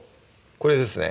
これですね